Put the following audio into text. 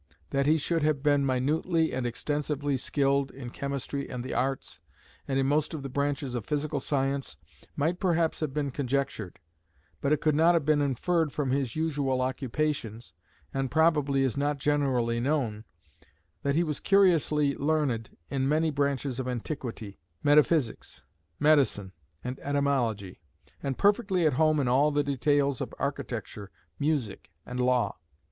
That he should have been minutely and extensively skilled in chemistry and the arts, and in most of the branches of physical science, might perhaps have been conjectured; but it could not have been inferred from his usual occupations, and probably is not generally known, that he was curiously learned in many branches of antiquity, metaphysics, medicine, and etymology, and perfectly at home in all the details of architecture, music and law.